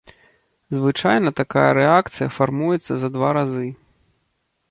Звычайна такая рэакцыя фармуецца за два разы.